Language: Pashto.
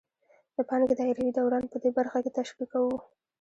د پانګې دایروي دوران په دې برخه کې تشریح کوو